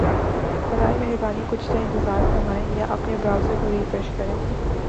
براہ مہربانی کچھ دیر انتظار فرمائیں یا اپنے براؤزر کو ریفریش کریں